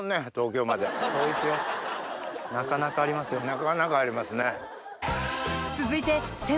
なかなかありますね。